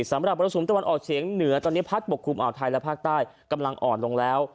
มรสุมตะวันออกเฉียงเหนือตอนนี้พัดปกคลุมอ่าวไทยและภาคใต้กำลังอ่อนลงแล้ว